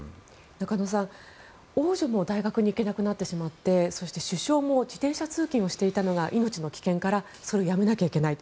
中野さん、王女も大学に行けなくなってしまってそして首相も自転車通勤をしていたのが命の危険からやめなきゃいけない。